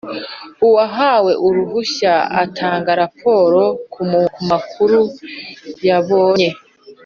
uwahawe uruhushya atanga raporo ku makuru yabonye